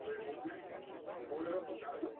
Ziur asko animalia bakartia izan zen.